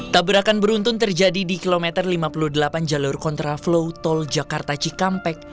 tabrakan beruntun terjadi di kilometer lima puluh delapan jalur kontraflow tol jakarta cikampek